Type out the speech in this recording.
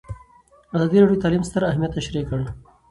ازادي راډیو د تعلیم ستر اهميت تشریح کړی.